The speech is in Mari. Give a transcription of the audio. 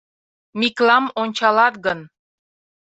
Миклам ончалат гын